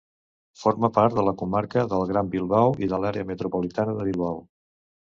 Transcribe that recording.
Forma part de la comarca del Gran Bilbao i de l'àrea metropolitana de Bilbao.